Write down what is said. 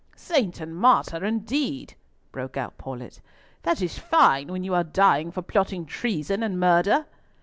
"Saint and martyr, indeed!" broke out Paulett. "That is fine! when you are dying for plotting treason and murder!"